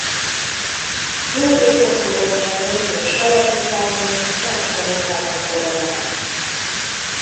Jótékony adományai és alapítványai meghaladják a koronát.